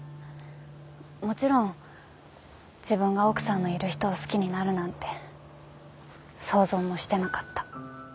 もちろん自分が奥さんのいる人を好きになるなんて想像もしてなかった。